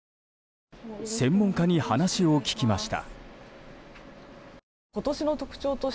専門家に話を聞きました。